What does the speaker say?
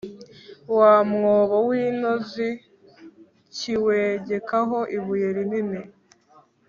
wa mwobo w'intozi kiwegekaho ibuye rinini